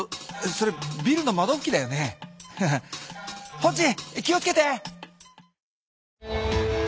ホッジ気をつけて。